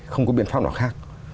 không có biện pháp nào khác